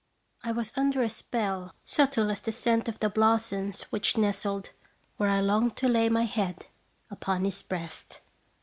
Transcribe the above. I was under a spell subtle as the scent of the JDeafc JDeafc?" 295 blossoms which nestled where 1 longed to lay my head, upon his breast.